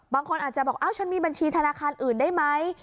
บางคนอาจจะบอกฉันมีบัญชีธนาคารอื่นได้ไหม